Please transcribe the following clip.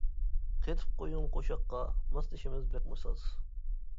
قېتىپ قويۇڭ قوشاققا، ماسلىشىمىز بەكمۇ ساز.